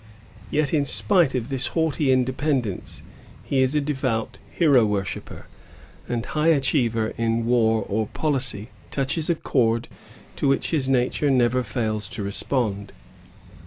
Yet, in spite of this haughty independence, he is a devout hero worshipper; and high achievement in war or policy touches a chord to which his nature never fails to respond.